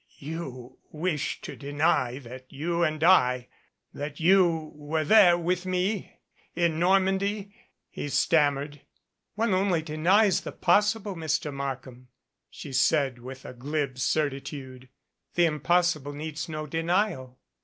"You wish to deny that you and I that you were there with me in Normandy?" he stammered. "One only denies the possible, Mr. Markham," she said with a glib certitude. "The impossible needs no denial.